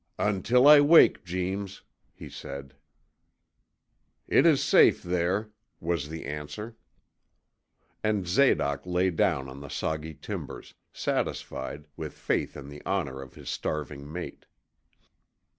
'Until I wake, Jeems!' he said. 'It is safe there,' was the answer. And Zadoc lay down on the soggy timbers, satisfied, with faith in the honor of his starving mate.